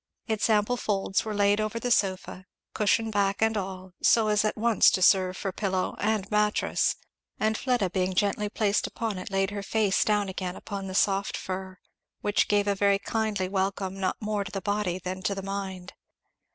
Its ample folds were laid over the sofa, cushion back and all, so as at once to serve for pillow and mattress, and Fleda being gently placed upon it laid her face down again upon the soft fur, which gave a very kindly welcome not more to the body than to the mind.